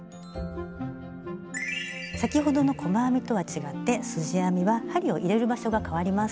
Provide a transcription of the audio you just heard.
先ほどの細編みとは違ってすじ編みは針を入れる場所がかわります。